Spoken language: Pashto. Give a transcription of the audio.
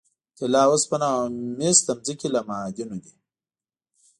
طلا، اوسپنه او مس د ځمکې له معادنو دي.